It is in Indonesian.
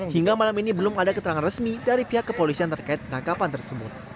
hingga malam ini belum ada keterangan resmi dari pihak kepolisian terkait penangkapan tersebut